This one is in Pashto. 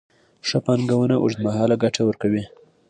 ښه پانګونه اوږدمهاله ګټه ورکوي.